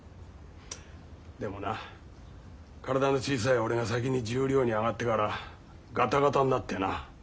でもな体の小さい俺が先に十両に上がってからガタガタになってな。